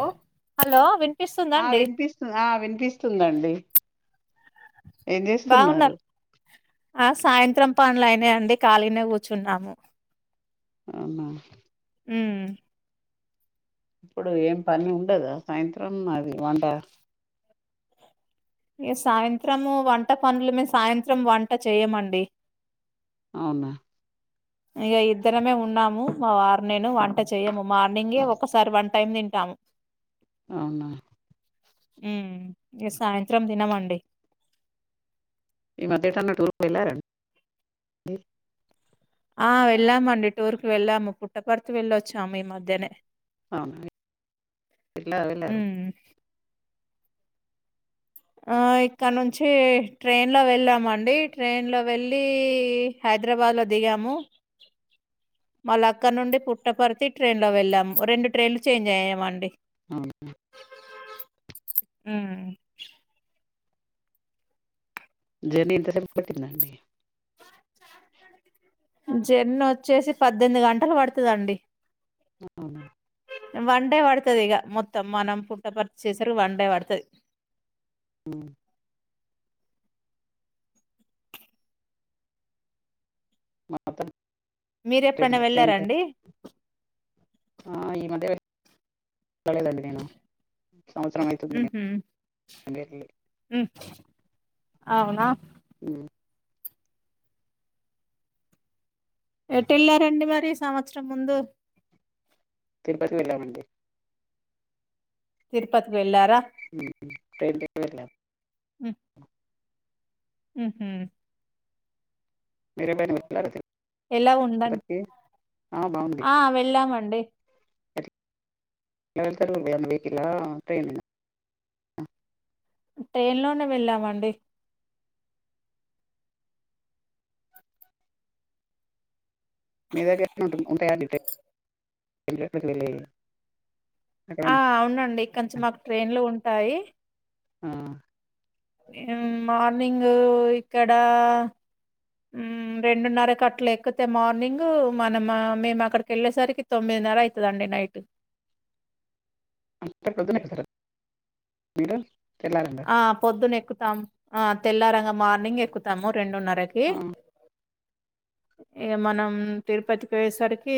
ఓ hello ఆ వినిపిస్తుందండి వినిపిస్తు ఆ వినిపిస్తుందండి ఏం చేస్తున్నారు బాగున్నారు ఆ సాయంత్రం పనులయినాయి అండి ఖాళీనే కూర్చున్నాము అవునా ఉ ఇప్పుడు ఏం పని ఉండదా సాయంత్రం అది వంట ఈ సాయంత్రము వంట పనులు మేము సాయంత్రం వంట చేయమండి అవునా ఇక ఇద్దరమే ఉన్నాము మా వారు నేను వంట చేయము మార్నింగే ఒకసారి వన్ టైం తింటాము అవునా ఉ ఈ సాయంత్రం దినమండి ఈ మధ్య ఎటన్న టూర్ కు వెళ్ళారండి ఆ వెళ్ళామండి టూర్ కి వెళ్ళాము పుట్టపర్తి వెళ్ళొచ్చాము ఈ మధ్యనే అవునా ఇలా వెళ్లారు ఉమ్ ఇక్కడ నుంచి ట్రైన్లో వెళ్ళామండి ట్రైన్లో వెళ్ళి హైదరాబాద్లో దిగాము మళ్ళ అక్కడ నుండి పుట్టపరతి ట్రైన్ లో వెళ్ళాము రెండు ట్రైన్లు చేంజ్ అయ్యామండి అవునా ఉ జర్నీ ఎంతసేపు ఉంటది టెన్ అండి జర్నీ వచ్చేసి పద్దెనిమిది గంటలు పడుతదండి అవున వన్ డే పడుతది ఇక మొత్తం మనం పుట్టపర్త్ వచేసరికి వన్ డే పడుతది ఉ మా తన్ మీరు ఎప్పుడైనా వెళ్ళారండి ఈ మధ్యంత వెళ్ళలేదండి నేను సంవత్సరం అయితుంది నే ఉహు ఇండియా కెళ్లి అవునా ఉమ్ ఎటు వెళ్లారండి మరి సంవత్సరం ముందు తిరుపతి వెళ్ళామండి తిరుపతి వెళ్ళారా ట్రైన్ కే వెళ్ళాం ఉ ఉహు మీరే ఎం అయిన వెళ్లారా ఎలా ఉందండి అక్కడి కి ఆ బాగుంది అండే ఎకా వెళ్తారు ఎం అయిన వెకికల్ ఆ లేదా ట్రెన్ ట్రైన్ లోనే వెళ్ళామండి మీ దగరే ఉంట్ ఉంటాయా అండి ట్రై [unintelligible] ఆ అవునండి కొంచెం మాకు ట్రైన్లు ఉంటాయి ఆ మార్నింగ్ ఇక్కడ రెండున్నర కట్టల ఎక్కితే మార్నింగు మనము మేము అక్కడికి వెళ్ళేసరికి తొమ్మిదిన్నర అయితదినంది నైట్ అంత ప్రొడున ఎకుతర మీరు తెల్లారంగా ఆ పొద్దున ఎక్కు తం ఆ తెల్లారంగ మార్నింగ్ ఎక్కుతాము రెండున్నరకి ఇగా మనం తిరుపతికి పోయేసరికి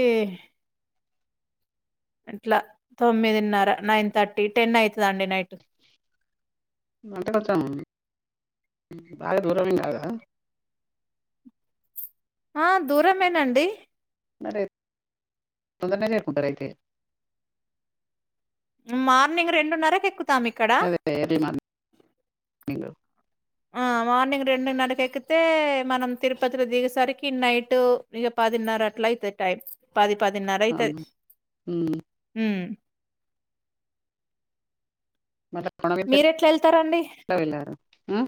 ఇట్లా తొమ్మిదిన్నర నైన్ థర్టీ టెన్ అయితది అండి నైట్ అంటకచ్చాము బాగా దూరమ్ కాదా ఆ దూరమేనండి మారే తొందరనే చేరుకుంటారు అయితే మార్నింగ్ రెండున్నరకు ఎక్కు అదే ఎర్లీ మార్నింగ్ నింగు ఆ మార్నింగ్ రెండున్నరకి ఎక్కితే మనం తిరుపతిలో దిగేసరికి నైట్ ఇగా పదిన్నర అట్ల అయితది టైమ్ పది పది నారా అయితది అవును ఉమ్. ఉమ్మ్ మల మీర ఎట్లా వెళ్తారండి మ్మ్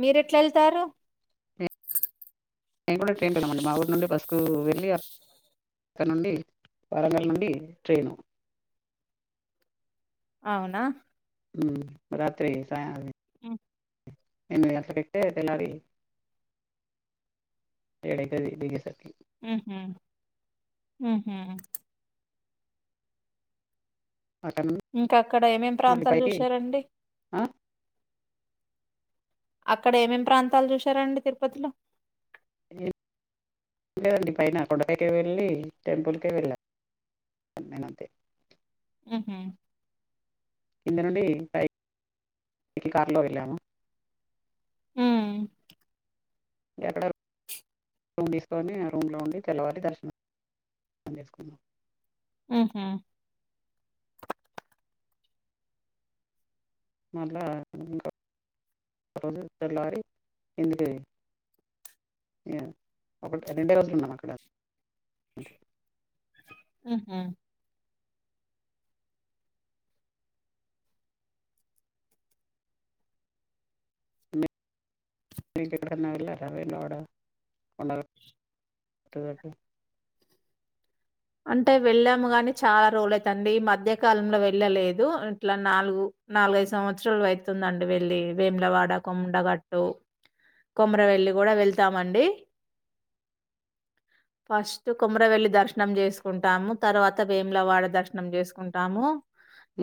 మీరు ఎట్లా వెళ్తారు నేను కూడా ట్రెన్ కి ఏలం అని మా ఊరి నుండి బస్ నాకు వెళ్ళి అక్క నుండి వరంగల్ నుండి ట్రైను అవునా మ్మ్ రాత్రి స ఆది ఆ ఎనిమిది గంటలకి ఎకితే తెలరి ఎడ్ అయితది దిగేసరికి ఉహు ఉహు అక్కడ నుండి ఇంకా అక్కడ ఏం ఎం మళ్ళీ ప్రాంతాలు పైకి చూసారండి ఆ? అక్కడ ఏం ఎం ప్రాంతాలు చూసారండి తిరుపతిలో ఎం లేద్ అండి పైన కొండ పైకే వెళ్ళి టెంపుల్కే వెళ్ళా నేనుంతే మ్మ్ హ్మ్ కింద నుండి పైకి కార్లో వెళ్ళాము హ్మ్ అక్కడే రూమ్ తీసుకొని ఆ రూమ్లో ఉండి తెల్లవాలి దర్శనం చేసుకున్నాం మ్మ్ హ్మ్ మళ్ళా ఇంకో రోజు తెల్లారి కిందికి ఒకటి రెండే రోజులు ఉన్నాం అక్కడ మ్మ్ హ్మ్ మీరు ఎక్కడికన్నా వెళ్లారా వేములవాడ కొండగట్టు అటు అంటే వెళ్ళాము కాని చాలా రోజులు అయితాంది మధ్య కాలంలో వెళ్ళలేదు. ఇట్ల నాలుగు నాలుగు, ఐదు సంవత్సరాలు అయితుందండి వెళ్ళి వేములవాడ, కొండగట్టు, కొమురవెల్లి కూడా వెళ్తామండి. ఫస్ట్ కొమురవెల్లి దర్శ నం చేసుకుంటాము తర్వాత వేములవాడ దర్శనం చేసుకుంటాము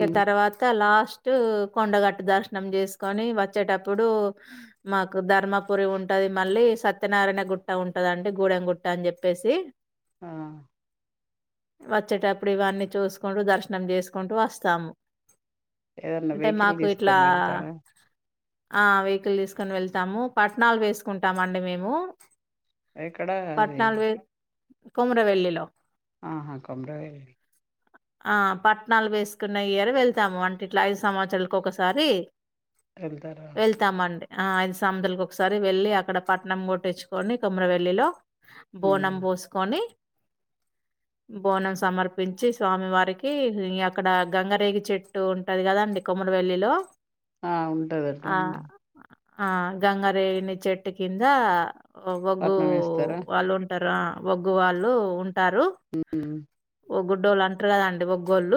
ఇగ తర్వాత లాస్ట్ టు కొండగట్టు దర్శనం చేసుకొని, వచ్చేటప్పుడు మాకు ధర్మపురి ఉంటది మళ్ళీ సత్యనారాయణ గుట్ట ఉంటదండి గూడెం గుట్ట అని చెప్పేసి ఆ వచ్చేటప్పుడు ఇవన్నీ చూసుకుంటు, దర్శనం చేసుకుంటు వస్తాము. ఏదన్నా అంటే వెహికల్ మాకు ఇట్లా తీసుకొని వెళ్తారా ఆ అవి వేకిల్ తీసుకొని వెళ్తాము పట్నాలు వేసుకుంటామండి మేము ఎక్కడ అది పట్నాలు వె కొమురవెల్లి వెెళ్ళిలో ఆ హా కొమురవెల్లి ఆ పట్నాలు వేసుకున్న ఇయర్ వెళ్తాము అంటే ఇట్ల ఐదు సంవత్సరాలకు ఒకసారి వెళ్తారా వెళ్తామండి ఆ ఐదు సంముదులకి ఒకసారి వెళ్లి అక్కడ పట్నం కొట్టిచ్చుకొని కొమురవెల్లిలో బోనం ఉమ్. బోసుకొని బోనం సమర్పించి స్వామి వారికి, అక్కడ గంగరేగి చెట్టు ఉంటది కదండి కొమురవెల్లిలో ఆ ఉంటదట ఆ! అండి ఆ గంగరేగిని చెట్టు కింద ఒగ్గు పట్నం వేస్తారా వళ్ళు ఉంటరు ఆ ఒగ్గు వాళ్ళు ఉం టారు మ్మ్ హ్మ్ ఒగ్గుడ్డోళ్ళు అంటరు కదండి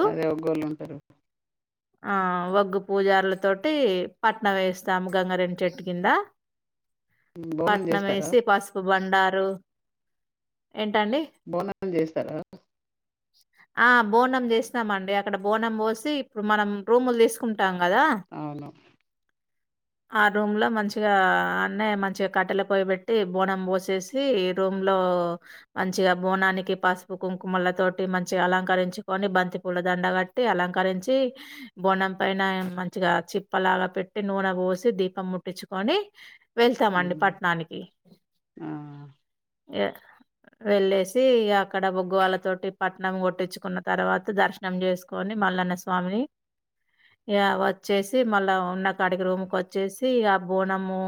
అదే ఒగ్గోళ్ళు ఉంటరు ఆ వగ్గు పూజరులతోటి పట్నం వేస్తాము గంగారేణి చెట్టు కింద బోనం చేస్తారా పట్నామేసీ పసుపు బండారు ఏంటండి బోనాలు చేస్తరా ఆ బోనం చేస్తమండి అక్కడ బోనం పోసి ఇప్పుడు మనం రూములు తీసుకుం అవును ఆ రూమ్ లో మంచిగా అన్నయ్య మంచిగ కట్టెల పోయిబెట్టి బోనం పోసేసి రూమ్ లో మంచిగ బోనానికి పసుపు కుంకుమల తోటి మంచిగా అలంకరించుకొని, బంతి పూల దండ కట్టి అలంకరించి, బోనం పైన మంచిగా చిప్పలాగా పెట్టి నూనె పోసి, దీపం ముట్టించుకొని వెళ్తాము అండి మ్మ్. పట్నానికి ఆ య వెళ్ళేసి తే అక్కడ వోగ్గువాళ తోటి పట్నం కొట్టించుకున్న తర్వాత, దర్శనం చేసుకొని మల్లన్న స్వామిని ఇగా వచ్చేసి మళ్ళ ఉన్న కాడికి రూమ్కి వచ్చేసి, ఆ బోనము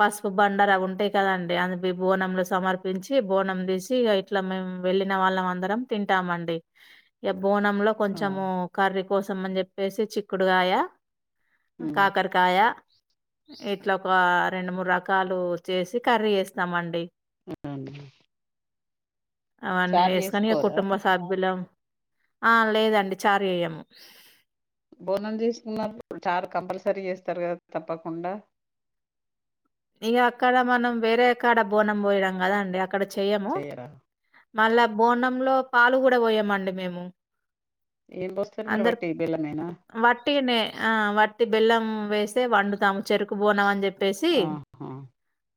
పసుపు బండార అవి ఉంటాయి కదండి అవి బోనంలో సమర్పించి బోనం తీసి ఐగా ఇట్లా మేము వెళ్ళిన వాళ్ళం అందరం తింటామండి బోనంలో ఆ కొంచెము కర్రీ కోసంమని చెప్పేసి చిక్కుడుగాయ మ్మ్. కాకరకాయ ఇట్లా ఒక రెండు మూడు రకాలు చేసి కర్రీ ఇస్తామండి అవును అండి అవన్నీ వేసుకోని ఇగ కుటుంబ సభ్యులం ఆ లేదండి చార్ చేయము బోనలు తీసుకున్నాప్పుడు చార్ కంపల్సరీ చేస్తారు కదా తప్పకుండా ఇగ అక్కడ మనం వేరే కాడా బోనం పోయడం కదా అండి అక్కడ చేయము చేయరా మళ్ళా బోనంలో పాలు కూడా పోయమండి మేము ఏం పోస్తారు మరి అందరు వట్టి బెల్లమేనా వట్టిగనే ఆ వట్ బెల్లం వేస్తే వండుతాము చెరుకు బోనం అని చెప్పి వేసి ఆహా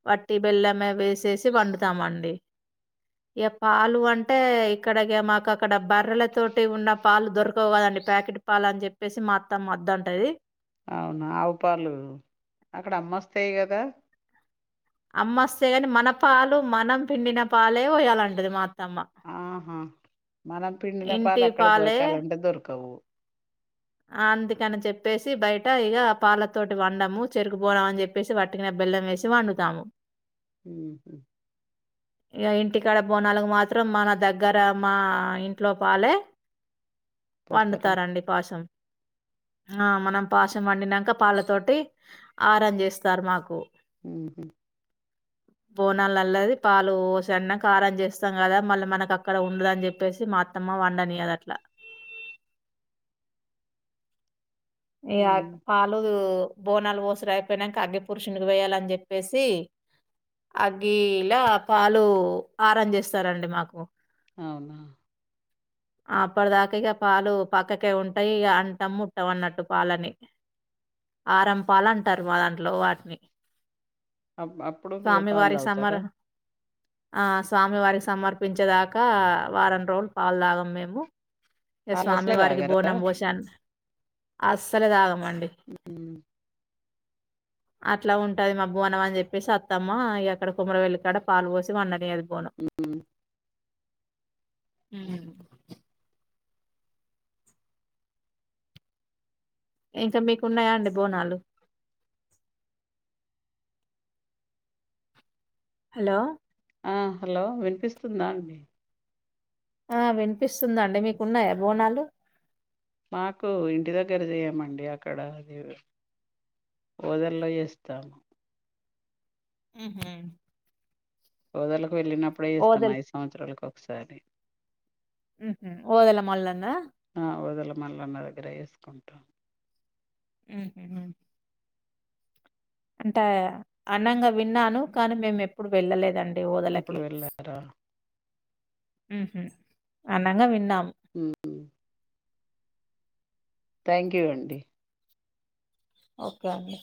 వాటి బెల్లమే వేసేసి వ వండుతం అండి ఇక పాలు అంటే ఇక్కడ ఇగ మాకు అక్కడ బర్రెల తోటి ఉన్న పాలు దొరకవు కదండి ప్యాకెట్ పాలు అని చెప్పేసి మా అత్తమ్మ వద్దంటది అవున ఆవుపాలు అక్కడ అమ్మస్తాయి కదా అమ్మ అస్తాయి కాని మన పాలు మనం పిండిన పాలే పోయాలంటది మా అ ఆహా మనం పిండిన పాలు ఇంటి అక్కడ దొరకాలంటే దొరకవు ఆ అందుకని చెప్పేసి బయట ఇక పాలతోటి వండము చెరుకుబోనాం అని చెప్పేసి వట్టిగానే బెల్లం వేసి వండుతాము ఉహు ఇగ ఇంటికాడ బోనాలగు మాత్రం మన దగ్గర మా ఇంట్లో పాలే పోస్తారా వండుతారండి పాశం ఆ మనం పాశం వండినాక పళ్ళతోటి ఆరం చేస్తారు మాకు ఉహు బోన్నలాల్లది పాలు పోసన్న కారం చేస్తాం కదా మళ్ళీ మనకు అక్కడ ఉండదని చెప్పేసి మా అత్తమ్మ వండనియదు అట్లా ఇగ మ్మ్. పాలు బోనాలు ఓసుడు అయిపోయియాక అగ్గి పురుషునికి వేయాలని చెప్పేసి, అగ్గిలా పాలు ఆరాం చేస్తారండి మాకు అవునా అప్పటిదాకా ఇగా పాలు పక్కకే ఉంటాయి ఇగ అంటాం ముట్టం అన్నట్టు పాలని ఆరం పాల అంటారు మా దాంట్లో వాటిని అ అప్పుడు ఇగ స్వామి పాలు వారికి తాగుతారా సమర్ ఆ స్వామి వారికి సమర్పించేదాకా వారం రోజులు పాలు తాగము మేము ఇగ పాలు స్వామి అసలే వారికి తాగరా బోనం పోషన్ అస్సలుదాగాం వండి ఉమ్, అట్లా ఉంటది మబ్బు అనం అని చెప్పేసి అత్తమ్మ ఎక్కడ కుమ్మర వెళ్ళి కాడ పాలు పోసి మన్నని అద్ ఉ ఉ హు ఇంకా మీకు ఉన్నాయా అండి బోనాలు హలో ఆ హలో వినిపిస్తుందా అండి ఆ వినిపిస్తుందా అండి మీకున్నాయా బోనాలు మాకు ఇంటి దగ్గర చేయమండి అక్కడ అది ఓదల్లో చేస్తాము ఉ హు పోదల వెళ్ళినప్పుడే ఎస్తాం ఐదు సంవత్సాలకు సరి ఉహు ఓదల మల్లన్న ఆ ఓదల మల్లన్న దగ్గర వేసుకుంటాం ఉహు అంటే అన్నంగా విన్నాను కానీ మేము ఎప్పుడు వెళ్ళలేదన్ ఇప్పుడు వెళ్ళార ఉహు అన్నంగా విన్నాము ఉహు థ్యాంక్ యూ అండి ఓకే అండి